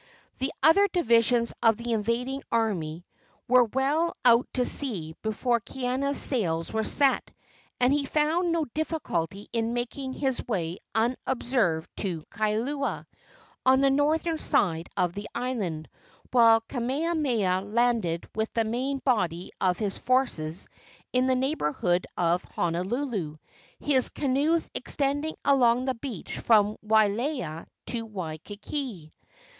The other divisions of the invading army were well out to sea before Kaiana's sails were set, and he found no difficulty in making his way unobserved to Kailua, on the northern side of the island, while Kamehameha landed with the main body of his forces in the neighborhood of Honolulu, his canoes extending along the beach from Waialae to Waikiki.